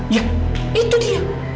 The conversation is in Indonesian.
ya itu dia